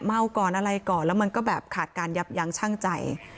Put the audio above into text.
เมาก่อนอะไรก่อนแล้วมันก็แบบขาดการยับยั้งชั่งใจ